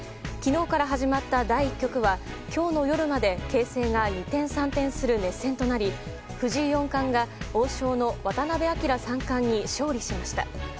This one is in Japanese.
昨日から始まった第１局は今日の夜まで形勢が二転三転する熱戦となり藤井四冠が王将の渡辺明三冠に勝利しました。